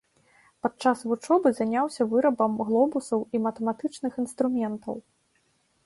Падчас вучобы заняўся вырабам глобусаў і матэматычных інструментаў.